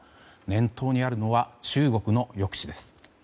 念頭にあるのは中国の抑止です。